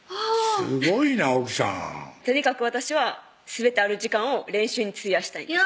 すごいな奥さんとにかく私はすべてある時間を練習に費やしたいです